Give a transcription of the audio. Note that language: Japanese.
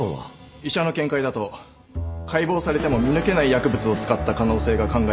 医者の見解だと解剖されても見抜けない薬物を使った可能性が考えられると。